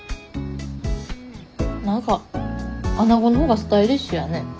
何かアナゴのほうがスタイリッシュやね。